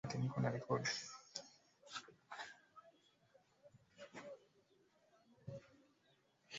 kwani tetemeko hilo limesababisha uharibifu wa miundombinu na mali